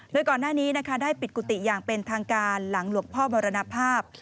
โดยก่อนหน้านี้นะคะได้ปิดกุฏิอย่างเป็นทางการหลังหลวงพ่อมรณภาพ